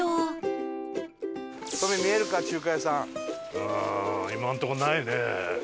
うーん今のとこないね。